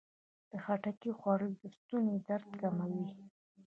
د خټکي خوړل د ستوني درد کموي.